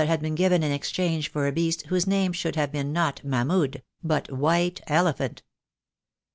had been given in exchange for a beast whose name should have been not Mahmud, but White Elephant.